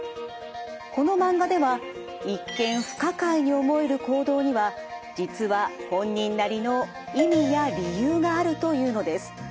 このマンガでは一見不可解に思える行動には実は本人なりの意味や理由があるというのです。